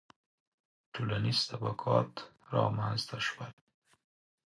• ټولنیز طبقات رامنځته شول